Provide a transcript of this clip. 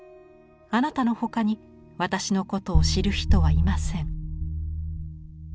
あなたの他に私のことを知る人はいません」。